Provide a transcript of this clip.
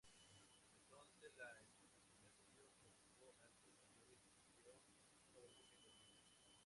Entonces, la especulación provocó alzas mayores y creó una burbuja económica.